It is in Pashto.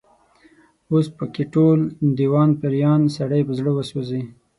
اوس په کې ټول، دېوان پيریان، سړی په زړه وسوځي